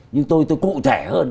nhưng tôi cụ thể hơn